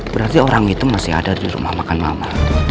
berarti orang itu masih ada di rumah makan mama